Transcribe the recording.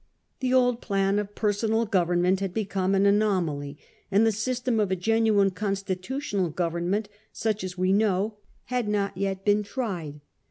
The old plan of personal government had become an anomaly, and the system of a genuine constitutional government, such as we know, had not yet been tried.